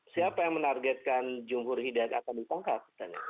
siapa yang menargetkan jumhur hidayat akan ditangkap